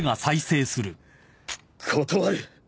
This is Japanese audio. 断る。